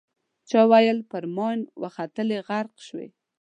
چا ویل پر ماین وختلې غرق شوې.